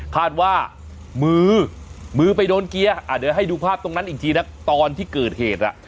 คาดว่ามือมือไปโดนเกียร์เดี๋ยวให้ดูภาพตรงนั้นอีกทีนะตอนที่เกิดเหตุอ่ะ